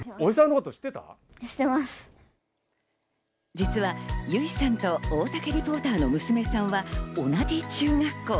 実は由依さんと大竹リポーターの娘さんは同じ中学校。